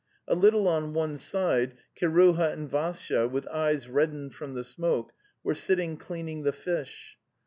A little on one side Kiruha and Vassya, with eyes reddened from the smoke, were sitting cleaning the fish.